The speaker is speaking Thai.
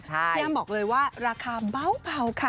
พี่อ้ำบอกเลยว่าราคาเบาค่ะ